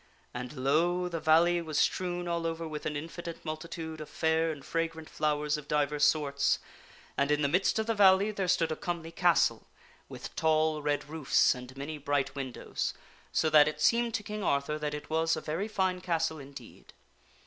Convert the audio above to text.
And, lo ! the valley was strewn cometh to the all over with an infinite multitude of fair and fragrant flowers &? of De vi divers sorts. And in the midst of the valley there stood a comely castle, with tall red roofs and many bright windows, so that it 48 THE WINNING OF A SWORD seemed to King Arthur that it was a very fine castle indeed.